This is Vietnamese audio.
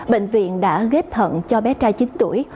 bệnh viện đã ghép thận cho bé trai chín tuổi